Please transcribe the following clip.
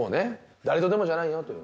誰とでもじゃないよという。